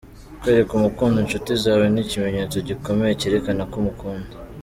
Kwereka umukunzi inshuti zawe ni ikimenyetso gikomeya cyerekana ko umukunda.